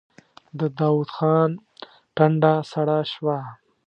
د داوود خان ټنډه سړه شوه.